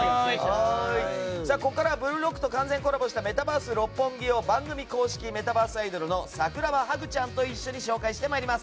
ここからは「ブルーロック」と完全コラボしたメタバース六本木を番組公式メタバースアイドルの桜葉ハグちゃんと一緒に紹介していきます。